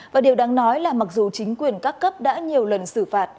và điều đáng nói là mặc dù chính quyền các cấp đã nhiều lần xử phạt